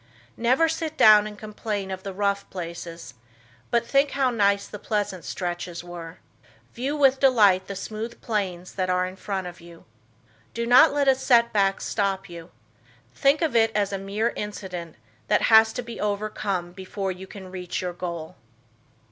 Never sit down and complain of the rough places, but think how nice the pleasant stretches were. View with delight the smooth plains that are in front of you. Do not let a setback stop you. Think of it as a mere incident that has to be overcome before you can reach your goal.